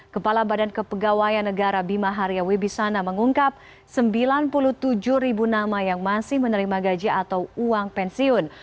kepala badan kepegawaian negara bima hariawibisana mengungkap sembilan puluh tujuh ribu nama yang masih menerima gaji atau uang pensiun